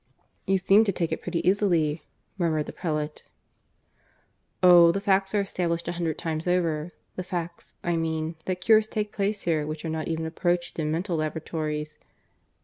"You seem to take it pretty easily," murmured the prelate. "Oh, the facts are established a hundred times over the facts, I mean, that cures take place here which are not even approached in mental laboratories.